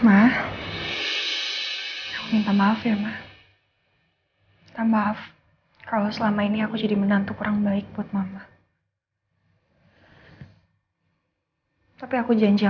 aku mau bikinin sarapan buat mama sama nino